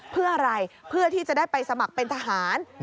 เพื่ออะไรเพื่อที่จะได้ไปสมัครเป็นทหาร